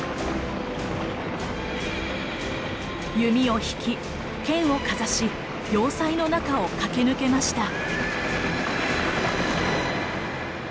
弓を引き剣をかざし要塞の中を駆け抜けました。